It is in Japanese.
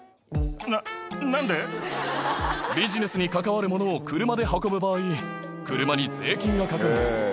ビジネスに関わるものを車で運ぶ場合、車に税金がかかるんです。